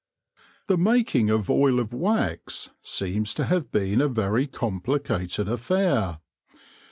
The making of Oil of Wax seems to have been a very complicated affair.